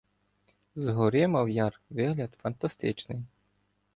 Згори мав яр вигляд фантастичний.